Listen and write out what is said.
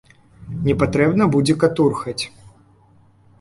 Не патрэбна будзе катурхаць.